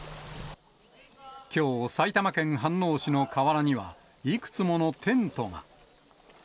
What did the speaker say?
きょう、埼玉県飯能市の河原には、いくつものテントが。